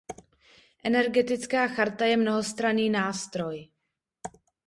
Energetická charta je mnohostranný nástroj.